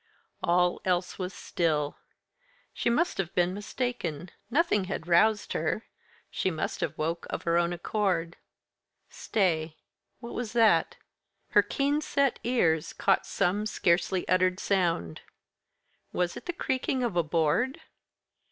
All else was still. She must have been mistaken. Nothing had roused her. She must have woke of her own accord. Stay! what was that? Her keen set ears caught some scarcely uttered sound. Was it the creaking of a board?